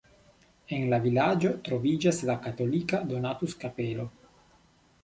En la vilaĝo troviĝas la katolika Donatus-kapelo.